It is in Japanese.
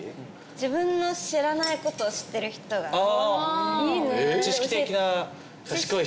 自分の知らないことを知ってる人がいいね